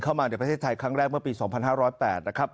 เข้ามาในประเทศไทยครั้งแรกเมื่อปีสองพันห้าร้อยแปดนะครับ